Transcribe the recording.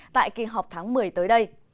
tại kỳ họp tháng một mươi tới đây